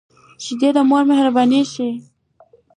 شیدې د مور مهرباني ښيي